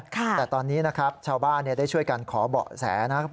แต่ตอนนี้นะครับชาวบ้านได้ช่วยกันขอเบาะแสนะครับ